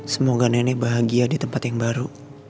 semoga nenek bahagia di tempat yang baru